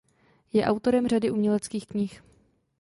Je autorem řady uměleckých knih.